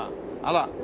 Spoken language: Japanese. あら。